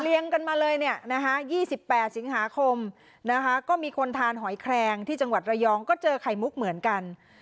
กันมาเลยเนี่ยนะคะ๒๘สิงหาคมนะคะก็มีคนทานหอยแคลงที่จังหวัดระยองก็เจอไข่มุกเหมือนกัน